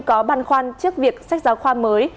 có băn khoăn trước việc sách giáo khoa mới